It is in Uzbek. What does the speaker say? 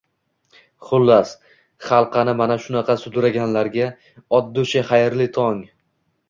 Xullas, xalqani mana shunaqa sudraganlarga, ot dushi xayrli tong!